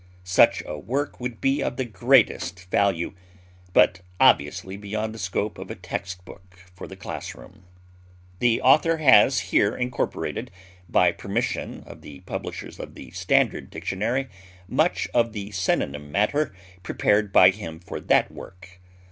Such a work would be of the greatest value, but obviously beyond the scope of a text book for the class room. The author has here incorporated, by permission of the publishers of the Standard Dictionary, much of the synonym matter prepared by him for that work.